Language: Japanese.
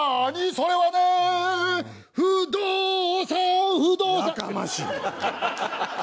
「それはね不動産不動産」やかましい！